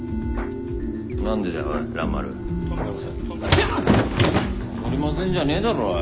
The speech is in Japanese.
分かりませんじゃねえだろおい。